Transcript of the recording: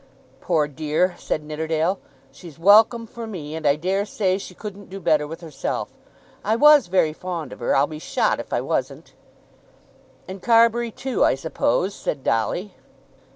"Poor dear!" said Nidderdale. "She's welcome for me, and I dare say she couldn't do better with herself. I was very fond of her; I'll be shot if I wasn't." "And Carbury too, I suppose," said Dolly.